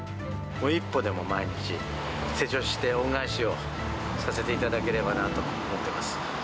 一歩でも毎日、成長して恩返しをさせていただければなと思っています。